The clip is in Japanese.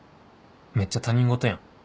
めっちゃ他人事やん